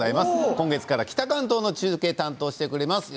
今月から北関東の中継を担当してくれます。